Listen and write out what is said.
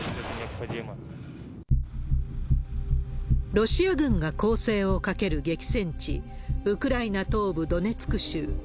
ロシア軍が攻勢をかける激戦地、ウクライナ東部ドネツク州。